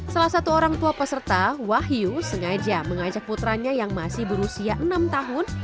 salah satu orang tua peserta wahyu sengaja mengajak putranya yang masih berusia enam tahun